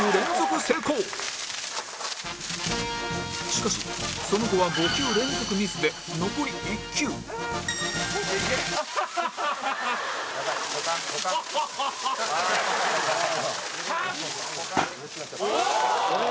しかしその後は５球連続ミスで残り１球アハハハ！ハッ！